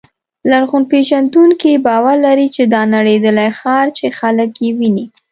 لرغونپېژندونکي باور لري چې دا نړېدلی ښار چې خلک یې ویني.